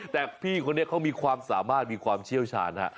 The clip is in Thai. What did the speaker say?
แต่พี่เนี่ยมีความสามารถมีความเชี่ยวชาญ